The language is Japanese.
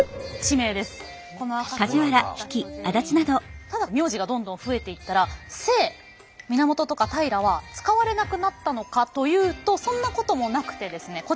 ただ名字がどんどん増えていったら姓「源」とか「平」は使われなくなったのかというとそんなこともなくてですね。